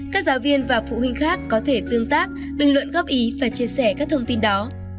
các giáo viên và phụ huynh khác có thể tương tác bình luận góp ý và chia sẻ các thông tin đó